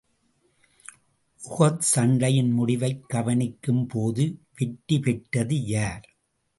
உஹத் சண்டையின் முடிவைக் கவனிக்கும் போது வெற்றி பெற்றது யார்?